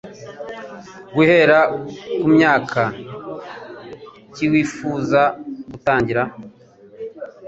guhera kumyaka ki wifuza gutangira?